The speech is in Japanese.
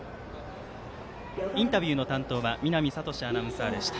インタビューの担当は見浪哲史アナウンサーでした。